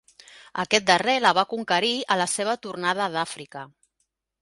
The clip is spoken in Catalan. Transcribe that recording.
Aquest darrer la va conquerir a la seva tornada d'Àfrica.